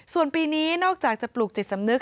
ส่วนปีนี้นอกจากจะปลูกจิตสำนึก